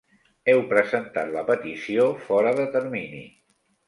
Heu presentat la petició fora de termini.